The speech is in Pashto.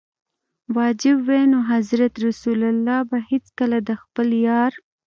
واجب وای نو حضرت رسول ص به هیڅکله د خپل یار.